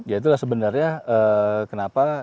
ya itulah sebenarnya kenapa